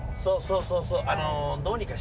そうそうそうそう。